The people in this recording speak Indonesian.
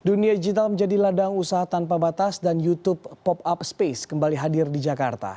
dunia digital menjadi ladang usaha tanpa batas dan youtube pop up space kembali hadir di jakarta